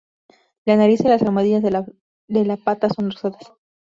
La nariz y las almohadillas de la patas son rosadas.